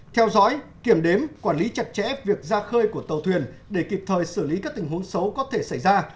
theo dõi kiểm đếm quản lý chặt chẽ việc ra khơi của tàu thuyền để kịp thời xử lý các tình huống xấu có thể xảy ra